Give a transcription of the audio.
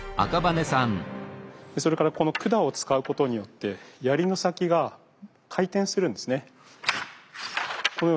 それからこの管を使うことによって槍の先が回転するんですね。